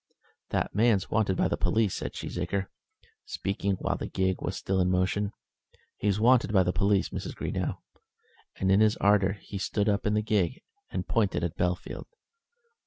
"That man's wanted by the police," said Cheesacre, speaking while the gig was still in motion. "He's wanted by the police, Mrs. Greenow," and in his ardour he stood up in the gig and pointed at Bellfield.